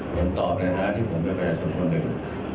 ผมตอบอะไรอาทดิ์ผมเข้าไปกับชมชนหนึ่ง